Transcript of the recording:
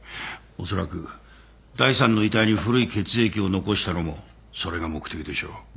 おそらく第３の遺体に古い血液を残したのもそれが目的でしょう。